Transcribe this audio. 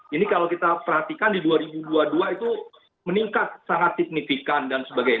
ini kalau kita perhatikan di dua ribu dua puluh dua itu meningkat sangat signifikan dan sebagainya